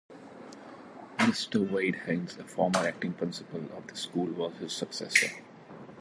Mr Wade Haynes, a former Acting Principal of the school, was his successor.